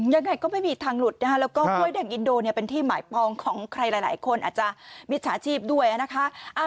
ยังไงก็ไม่มีทางหลุดนะคะแล้วก็กล้วยแดงอินโดเนี่ยเป็นที่หมายปองของใครหลายคนอาจจะมิจฉาชีพด้วยนะคะ